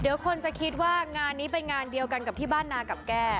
เดี๋ยวคนจะคิดว่างานนี้เป็นงานเดียวกันกับที่บ้านนากับแก้